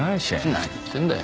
何言ってんだよ。